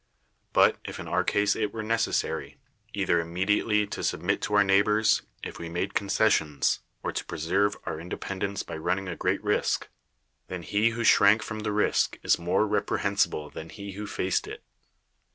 But if [in our case] it were necessary, either immedi ately to submit to our neighbors, if we made con cessions, or to preserve our independence by run ning a great risk, then he who shrank from the risk is more reprehensible than he who faced it.